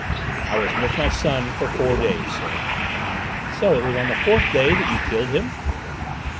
"I was with my son for four days, sir." "So it was on the fourth day that you killed him?"